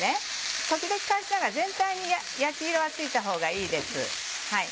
時々返しながら全体に焼き色がついたほうがいいです。